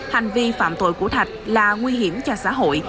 hành vi phạm tội của thạch là nguy hiểm cho xã hội